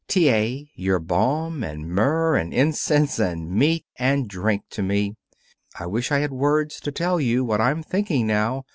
"T. A., you're balm and myrrh and incense and meat and drink to me. I wish I had words to tell you what I'm thinking now.